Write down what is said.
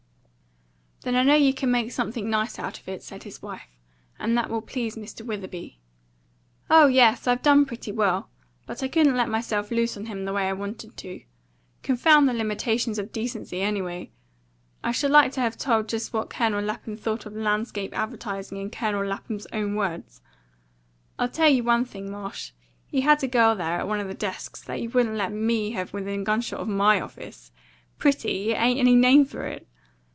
"Then I know you could make something nice out of it," said his wife; "and that will please Mr. Witherby." "Oh yes, I've done pretty well; but I couldn't let myself loose on him the way I wanted to. Confound the limitations of decency, anyway! I should like to have told just what Colonel Lapham thought of landscape advertising in Colonel Lapham's own words. I'll tell you one thing, Marsh: he had a girl there at one of the desks that you wouldn't let ME have within gunshot of MY office. Pretty? It ain't any name for it!"